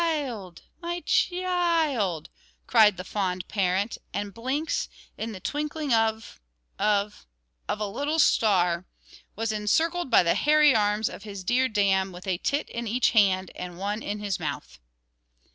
"My chee ild! my chee ild!" cried the fond parent; and Blinks, in the twinkling of of of a little star, was encircled by the hairy arms of his dear dam with a tit in each hand, and one in his mouth.